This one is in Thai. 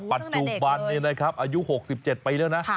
ปัจจุบันนี้นะครับอายุ๖๗ปีแล้วนะ